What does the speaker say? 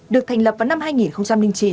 được thành lập vào năm hai nghìn chín